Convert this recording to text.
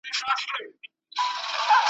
د زمري پر ټول وجود یې کړل وارونه ,